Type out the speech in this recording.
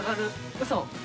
うそ？